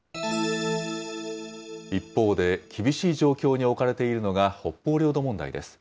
一方で、厳しい状況に置かれているのが北方領土問題です。